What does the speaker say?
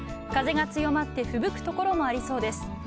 風が強まってふぶくところもありそうです。